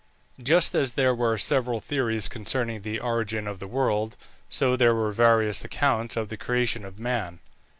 Just as there were several theories concerning the origin of the world, so there were various accounts of the creation of man.